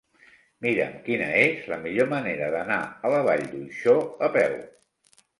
Mira'm quina és la millor manera d'anar a la Vall d'Uixó a peu.